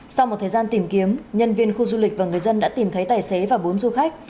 sau một thời gian tìm kiếm nhân viên khu du lịch và người dân đã tìm thấy tài xế và bốn du khách